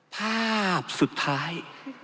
ภาพสุดท้าย